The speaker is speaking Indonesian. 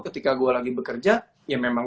ketika gue lagi bekerja ya memang